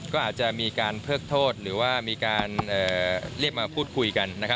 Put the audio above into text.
ก็อาจจะมีการเพิกโทษหรือว่ามีการเรียกมาพูดคุยกัน